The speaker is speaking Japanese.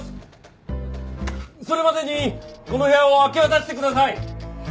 それまでにこの部屋を明け渡してください！